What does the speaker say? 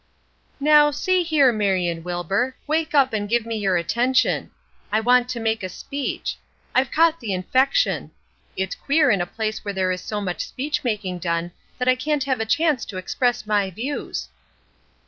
Now, see here, Marion Wilbur, wake up and give me your attention. I want to make a speech; I've caught the infection. It's queer in a place where there is so much speech making done that I can't have a chance to express my views."